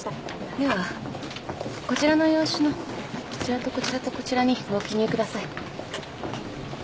ではこちらの用紙のこちらとこちらとこちらにご記入ください。